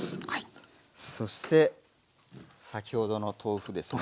そして先ほどの豆腐ですね。